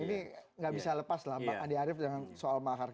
ini nggak bisa lepas lah pak andi arief dengan soal mahar